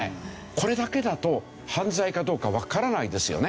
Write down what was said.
これだけだと犯罪かどうかわからないですよね。